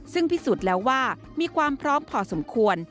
ซึ่งพิสูจน์แล้วว่ามีความพร้อมพอสมควร